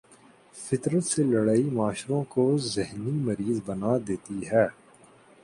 فطرت سے لڑائی معاشروں کو ذہنی مریض بنا دیتی ہے۔